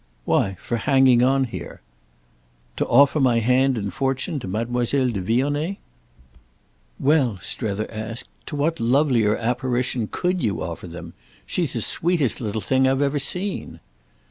"Why for hanging on here." "To offer my hand and fortune to Mademoiselle de Vionnet?" "Well," Strether asked, "to what lovelier apparition could you offer them? She's the sweetest little thing I've ever seen."